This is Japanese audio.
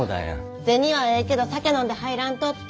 銭はええけど酒飲んで入らんとって。